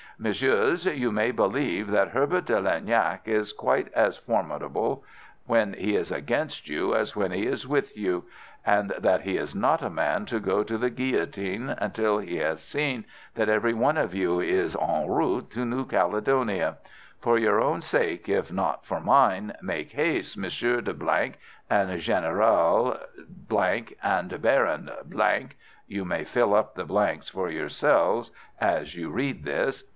Messieurs, you may believe that Herbert de Lernac is quite as formidable when he is against you as when he is with you, and that he is not a man to go to the guillotine until he has seen that every one of you is en route for New Caledonia. For your own sake, if not for mine, make haste, Monsieur de ——, and General ——, and Baron —— (you can fill up the blanks for yourselves as you read this).